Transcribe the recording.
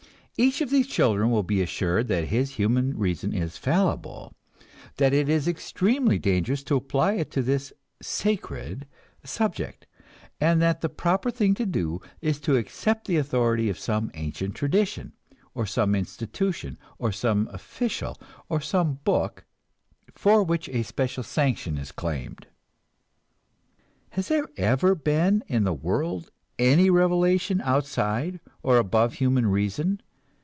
Each of these children will be assured that his human reason is fallible, that it is extremely dangerous to apply it to this "sacred" subject, and that the proper thing to do is to accept the authority of some ancient tradition, or some institution, or some official, or some book for which a special sanction is claimed. Has there ever been in the world any revelation, outside of or above human reason?